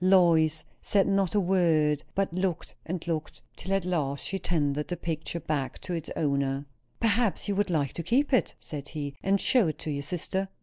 Lois said not one word, but looked and looked, till at last she tendered the picture back to its owner. "Perhaps you would like to keep it," said he, "and show it to your sister."